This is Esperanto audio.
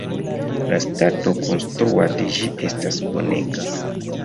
La stato konstrua de ĝi estas bonega.